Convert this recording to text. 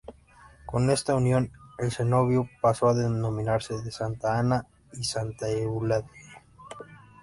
Con esta unión el cenobio pasó a denominarse de Santa Ana y Santa Eulalia.